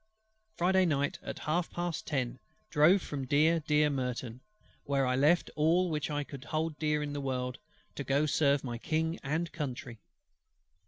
"Friday night, at half past ten, drove from dear, dear Merton, where I left all which I hold dear in this world, to go to serve my King and Country.